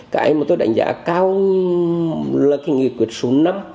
cái mà tôi đánh giá cao là cái nghị quyết số năm